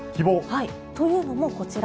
というのも、こちら。